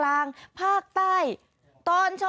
สวัสดีค่ะรุ่นก่อนเวลาเหนียวกับดาวสุภาษฎรามมาแล้วค่ะ